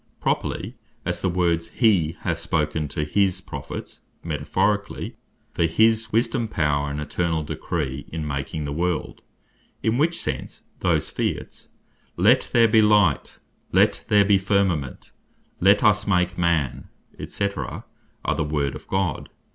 Properly, as the words, he hath spoken to his Prophets; Metaphorically, for his Wisdome, Power, and eternall Decree, in making the world; in which sense, those Fiats, "Let there be light," "Let there be a firmament," "Let us make man," &c. (Gen. 1.) are the Word of God.